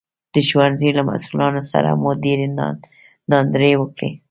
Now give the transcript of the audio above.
د ښوونځي له مسوولانو سره مو ډېرې ناندرۍ وکړې